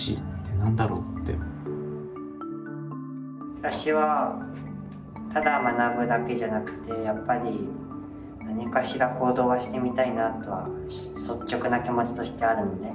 私はただ学ぶだけじゃなくてやっぱり何かしら行動はしてみたいなとは率直な気持ちとしてあるんで。